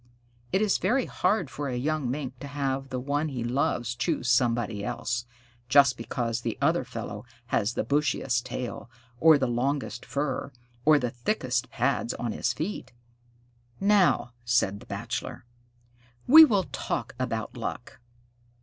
It is very hard for a young Mink to have the one he loves choose somebody else, just because the other fellow has the bushiest tail, or the longest fur, or the thickest pads on his feet. "Now," said the Bachelor, "we will talk about luck.